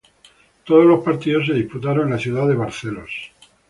Todos los partidos se disputaron en la ciudad de Barcelos.